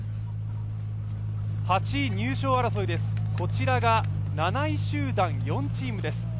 ８位入賞争いです、こちらが７位集団４チームです。